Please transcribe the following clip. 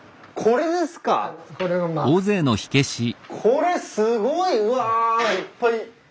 これすごい！うわいっぱい。